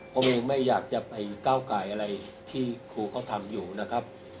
ผมเองไม่อยากจะไปก้าวไก่อะไรที่ครูเขาทำอยู่นะครับ